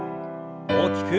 大きく。